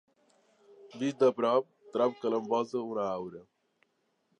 Vist de prop, trobo que l'envolta una aura.